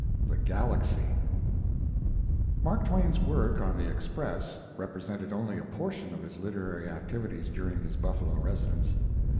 THE "GALAXY" Mark Twain's work on the Express represented only a portion of his literary activities during his Buffalo residence.